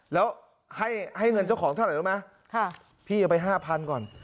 แล้วให้ให้เงินเจ้าของเท่าไหร่รู้ไหมค่ะพี่เอาไปห้าพันก่อน